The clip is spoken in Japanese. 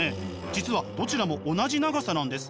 実はどちらも同じ長さなんです。